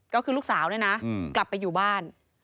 ก็คือลูกสาวเนี่ยนะกลับไปอยู่บ้าน